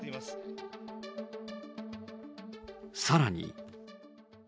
さらに。